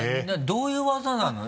どういう技なの？